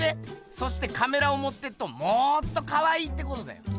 そしてカメラをもってっともっとかわいいってことだよ。